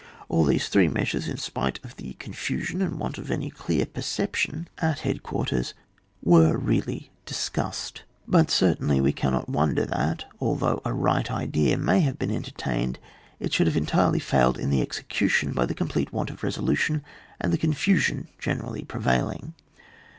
All these three measures, in spite of the confusion and want of any clear perception at head CHAP, xxvm.] DEFENCE OF A THEATRE OF WAR/ 187 quarterB, W0r$ really diseusaed; but cer tainly we cannot wonder that, although a right idea may have been entertained, it should have entirely failed in the execution by the complete want of resolution and the confusion generally prevailing.